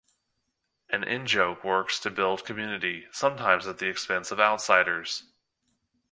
An in-joke works to build community, sometimes at the expense of outsiders.